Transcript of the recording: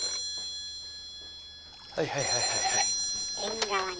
☎☎はいはいはいはいはい。